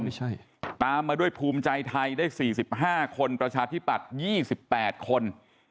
ไม่ใช่ตามมาด้วยภูมิใจไทยได้สี่สิบห้าคนประชาธิบัติยี่สิบแปดคน